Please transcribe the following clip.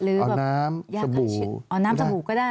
หรือแบบยากเช็ดอ๋อน้ำสบู่เอาน้ำสบู่ก็ได้